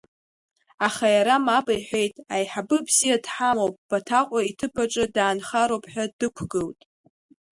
Аха иара мап иҳәеит, аиҳабы бзиа дҳамоуп, Баҭаҟәа иҭыԥаҿы даанхароуп ҳәа дықәгылт.